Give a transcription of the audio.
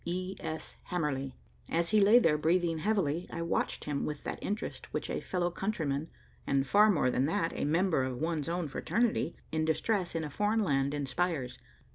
"E. S. Hamerly." As he lay there, breathing heavily, I watched him with that interest which a fellow countryman, and far more than that, a member of one's own fraternity, in distress in a foreign land inspires.